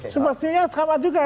sebenarnya sama juga